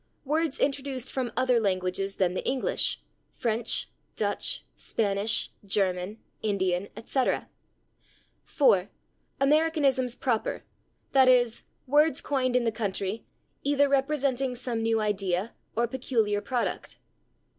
Words introduced from other languages than the English: French, Dutch, Spanish, German, Indian, etc. 4. Americanisms proper, /i.e./, words coined in the country, either representing some new idea or peculiar product.